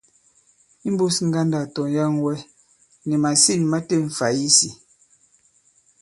Imbūs ŋgandâk tɔ̀yaŋwɛ, nì màsîn ma têm fày isī.